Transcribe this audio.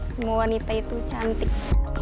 semua wanita itu cantik